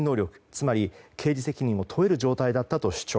つまり、刑事責任を問える状態だったと主張。